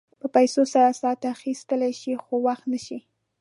په پیسو سره ساعت اخيستلی شې خو وخت نه شې.